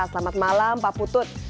selamat malam pak putut